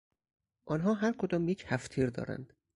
آنها هر کدام یک هفتتیر دارند.